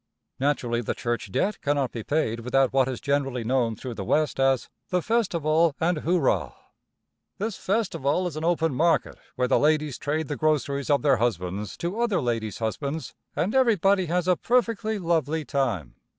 Naturally the church debt cannot be paid without what is generally known through the West as the "festival and hooraw." This festival is an open market where the ladies trade the groceries of their husbands to other ladies' husbands, and everybody has a "perfectly lovely time."